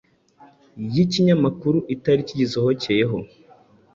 yikinyamakuru, itariki gisohokeyeho,